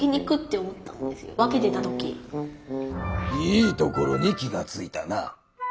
いいところに気がついたな。